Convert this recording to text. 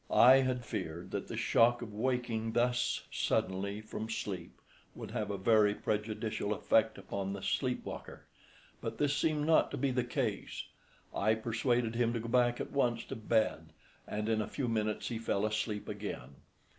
I had feared that the shock of waking thus suddenly from sleep would have a very prejudicial effect upon the sleep walker, but this seemed not to be the case. I persuaded him to go back at once to bed, and in a few minutes he fell asleep again.